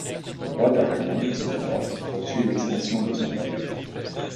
Le roi d'Aragon, cependant, poursuit l'expansion de son royaume.